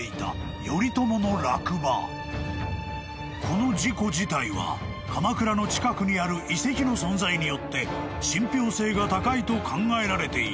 ［この事故自体は鎌倉の近くにある遺跡の存在によって信ぴょう性が高いと考えられている］